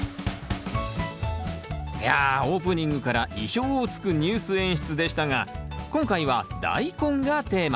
いやオープニングから意表をつくニュース演出でしたが今回はダイコンがテーマ。